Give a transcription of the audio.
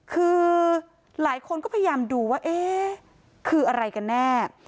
คือหลายคนก็พยายามดูว่าเอ๊ะคืออะไรกันแน่